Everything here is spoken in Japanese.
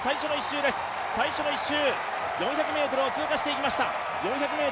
最初の１周４００ｍを通過していきました。